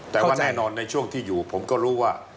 แต่ว่าแน่นอนในช่วงที่อยู่ผมก็รู้ว่า